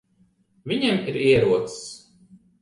Viņam ir ierocis.